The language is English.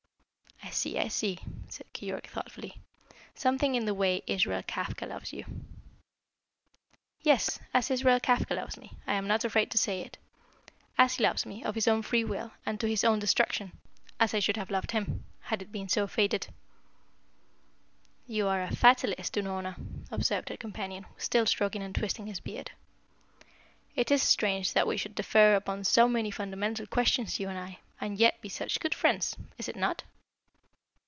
"I see, I see," said Keyork thoughtfully, "something in the way Israel Kafka loves you." "Yes, as Israel Kafka loves me, I am not afraid to say it. As he loves me, of his own free will, and to his own destruction as I should have loved him, had it been so fated." "So you are a fatalist, Unorna," observed her companion, still stroking and twisting his beard. "It is strange that we should differ upon so many fundamental questions, you and I, and yet be such good friends. Is it not?"